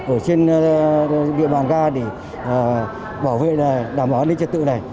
ở trên địa bàn ga để bảo vệ đảm bảo an ninh trật tự này